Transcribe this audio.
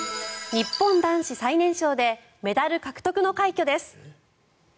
日本男子最年少でメダル獲得の快挙です。